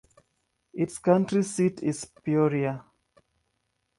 Its county seat is Peoria.